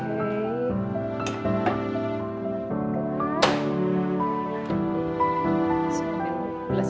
ini ramuan herbanya